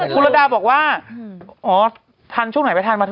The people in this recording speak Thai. คุณรดาบอกว่าถังช่วงไหนไปทัน